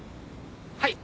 はい。